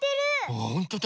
あっほんとだ！